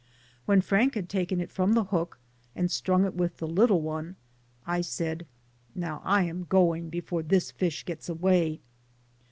When Frank had taken it from the hook, and strung it with the little one, I said, "Now I am going, before this fish gets away."